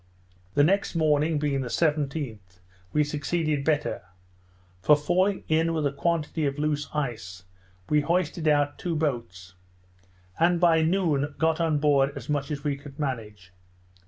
The next morning, being the 17th, we succeeded better; for, falling in with a quantity of loose ice, we hoisted out two boats; and by noon got on board as much as we could manage.